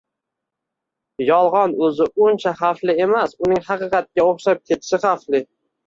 Yolg’on o’zi uncha xavfli emas, uning haqiqatga o’xshab ketishi xavfli.